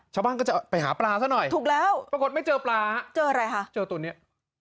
ชาวบ้านก็จะไปหาปลาซะหน่อยถูกแล้วปรากฏไม่เจอปลาฮะเจออะไรคะเจอตัวเนี้ย